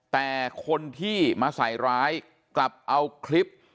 แต่คนที่มาใส่ร้ายกลับเอาคลิป